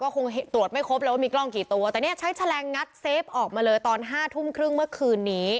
คงตรวจไม่ครบเลยว่ามีกล้องกี่ตัวแต่เนี่ยใช้แฉลงงัดเซฟออกมาเลยตอนห้าทุ่มครึ่งเมื่อคืนนี้